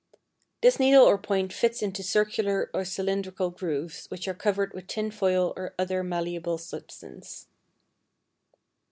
This needle or point fits into circular or cylindrical grooves, which are covered with tin foil or other malleable substance.